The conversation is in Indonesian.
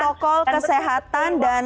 protokol kesehatan dan